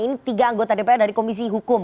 ini tiga anggota dpr dari komisi hukum